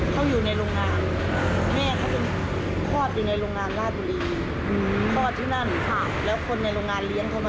เขาอยู่ในโรงงาน